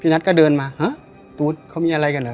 นัทก็เดินมาฮะตู๊ดเขามีอะไรกันเหรอ